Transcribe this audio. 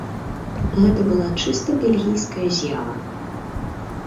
Гэта была чыста бельгійская з'ява.